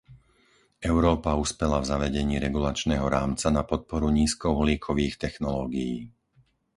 Európa uspela v zavedení regulačného rámca na podporu nízkouhlíkových technológií.